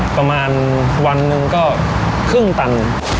ประมาณวันหนึ่งก็ครึ่งตัน